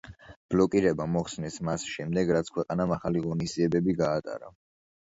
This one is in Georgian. ბლოკირება მოხსნეს მას შემდეგ, რაც ქვეყანამ ახალი ღონისძიებები გაატარა.